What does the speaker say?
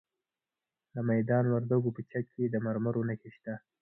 د میدان وردګو په چک کې د مرمرو نښې شته.